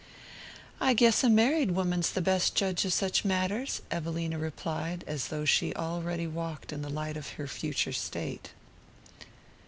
"I guess a married woman's the best judge of such matters," Evelina replied, as though she already walked in the light of her future state.